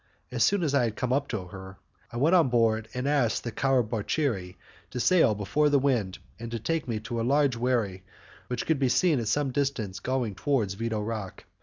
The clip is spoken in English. As soon as I had come up to her, I went on board and asked the carabouchiri to sail before the wind and to take me to a large wherry which could be seen at some distance, going towards Vido Rock.